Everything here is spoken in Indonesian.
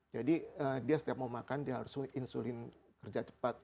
jadi dia setiap mau makan dia harus insulin kerja cepat